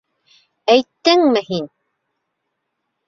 Әйттеңме һин?